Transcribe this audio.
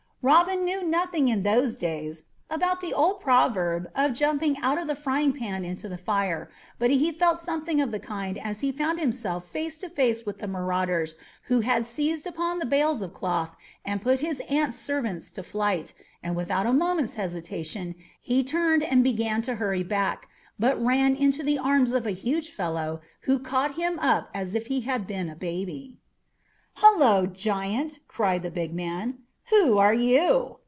Robin knew nothing in those days about the old proverb of jumping out of the frying pan into the fire, but he felt something of the kind as he found himself face to face with the marauders who had seized upon the bales of cloth and put his aunt's servants to flight, and without a moment's hesitation he turned and began to hurry back, but ran into the arms of a huge fellow who caught him up as if he had been a baby. [Illustration: Robin ran into the arms of a huge fellow, who caught him up as if he had been a baby.] "Hullo, giant!" cried the big man, "who are you?"